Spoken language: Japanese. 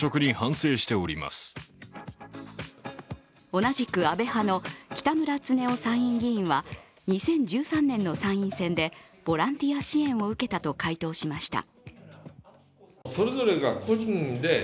同じく安倍派の北村経夫参院議員は２０１３年の参院選でボランティア支援を受けたと回答しました。